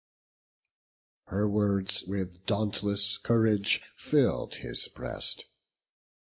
Her words with dauntless courage fill'd his breast.